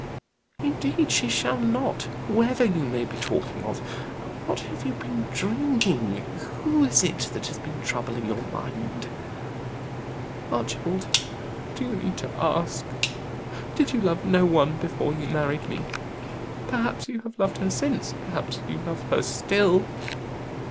"Indeed she shall not whoever you may be talking of. What have you been dreaming? Who is it that has been troubling your mind?" "Archibald, do you need to ask? Did you love no one before you married me? Perhaps you have loved her since perhaps you love her still?"